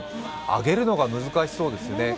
揚げるのが難しそうですね。